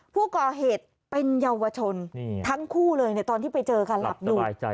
ผู้ก่อเหตุเป็นเยาวชนทั้งคู่เลยในตอนที่ไปเจอค่ะหลับอยู่